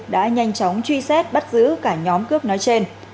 đã nhanh chóng truy xét bắt giữ cả nhóm cướp nói trên